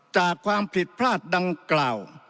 จากความผิดพลาดดังกล่าว